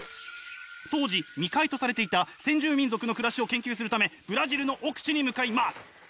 当時未開とされていた先住民族の暮らしを研究するためブラジルの奥地に向かいます！